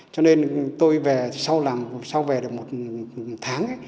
cho nên tôi về sau làm sau về được một tháng